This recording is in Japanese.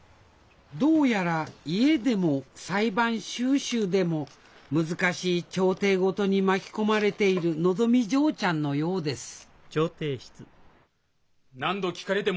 どうやら家でも裁判修習でも難しい調停事に巻き込まれているのぞみ嬢ちゃんのようです何度聞かれても同じです。